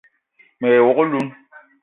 Me ye wok oloun